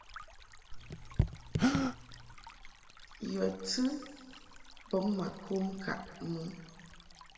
Yɔ̀ tɨ bɔŋ mà kom ŋkàʼ mɨ.